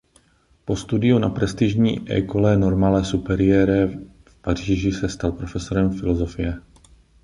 Po studiu na prestižní École Normale Supérieure v Paříži se stal profesorem filozofie.